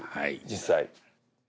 実際。